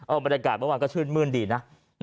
ออกไปรายกาศเมื่อวานก็ชื่นมื้นดีนะ